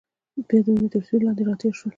بیا د ونو تر سیوري لاندې راتېر شول.